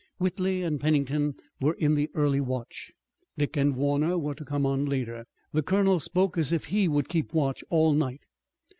Whitley and Pennington were in the early watch. Dick and Warner were to come on later. The colonel spoke as if he would keep watch all night.